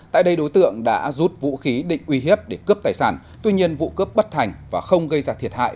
tại đây đối tượng đã rút vũ khí định uy hiếp để cướp tài sản tuy nhiên vụ cướp bất thành và không gây ra thiệt hại